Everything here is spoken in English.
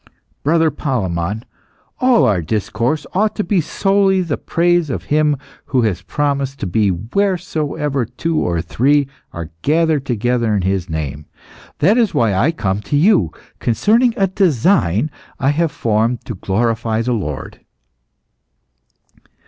"Brother Palemon, all our discourse ought to be solely the praise of Him who has promised to be wheresoever two or three are gathered together in His Name. That is why I come to you concerning a design I have formed to glorify the Lord."